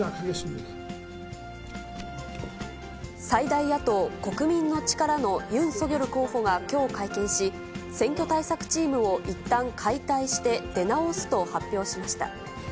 最大野党・国民の力のユン・ソギョル候補がきょう会見し、選挙対策チームをいったん解体して、出直すと発表しました。